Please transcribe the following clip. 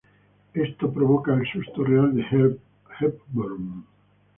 Esto provoca el susto real de Hepburn.